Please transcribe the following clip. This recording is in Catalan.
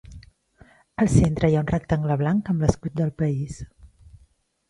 Al centre hi ha un rectangle blanc amb l'escut del país.